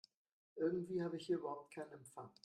Irgendwie habe ich hier überhaupt keinen Empfang.